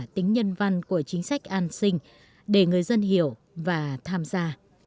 tính nhân văn của chính sách an sinh để người dân hiểu và tham gia